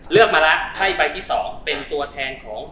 เลือกมาแล้วไพ่ใบที่๒เป็นตัวแทนของ